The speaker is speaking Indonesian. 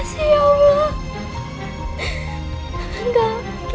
siapa sih itu